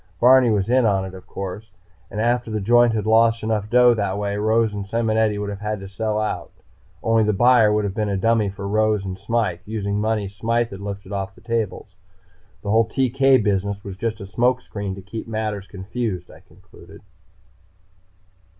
Barney was in on it, of course. And after the joint had lost enough dough that way, Rose and Simonetti would have had to sell out. Only the buyer would have been a dummy for Rose and Smythe, using money Smythe had lifted off the tables. "The whole TK business was just a smoke screen to keep matters confused," I concluded.